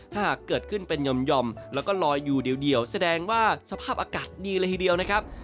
ถ้าหากเกิดขึ้นเป็นหย่อมแล้วก็ลอยอยู่เดียวแสดงว่าสภาพอากาศดีเลยทีเดียวนะครับ